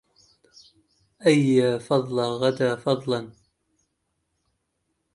أيا فضلا غدا فضلا